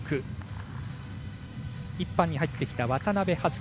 １班に入ってきた渡部葉月。